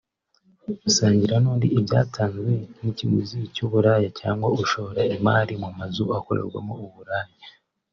usangira n’undi ibyatanzwe nk’ikiguzi cy’uburaya cyangwa ushora imari mu mazu akorerwamo uburaya